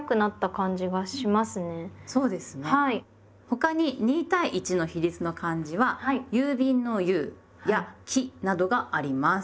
他に２対１の比率の漢字は郵便の「郵」や「期」などがあります。